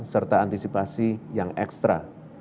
serta antisipasi yang ekstra